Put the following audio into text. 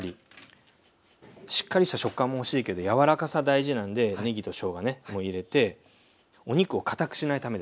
しっかりした食感も欲しいけど柔らかさ大事なんでねぎとしょうがね入れてお肉を堅くしないためです。